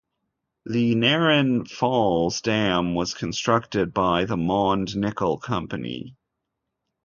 The Nairn Falls dam was constructed by the Mond Nickel Company.